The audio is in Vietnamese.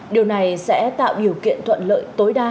điều này sẽ tạo điều kiện thuận lợi tối đa